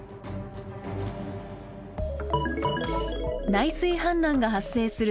内水氾濫が発生する